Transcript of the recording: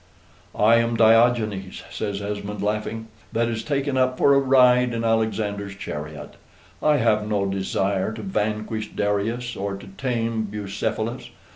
"I am Diogenes," says Esmond, laughing, "that is taken up for a ride in Alexander's chariot. I have no desire to vanquish Darius or to tame Bucephalus.